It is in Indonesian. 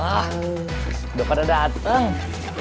wah udah pada dateng